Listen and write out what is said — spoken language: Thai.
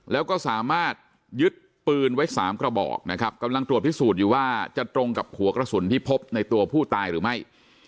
แล้วก็สามารถยึดปืนไว้สามกระบอกนะครับกำลังตรวจพิสูจน์อยู่ว่าจะตรงกับหัวกระสุนที่พบในตัวผู้ตายหรือไม่